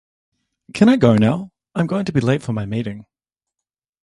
Can I go now? I'm going to be late for my meeting.